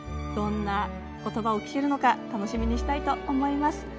どんなことばを聞けるのか楽しみにしたいと思います。